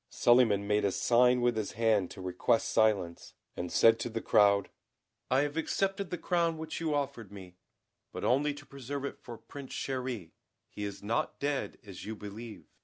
Suliman made a sign with his hand to request silence, and said to the crowd: "I have accepted the crown which you offered me, but only to preserve it for Prince Chéri; he is not dead, as you believe.